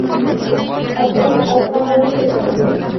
اکرم اکا وچغېده.